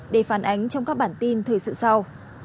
để phản ánh trong các bản tin thời sự sau